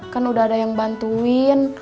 kan udah ada yang bantuin